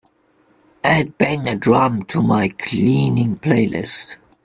add bang a drum to my cleaning playlist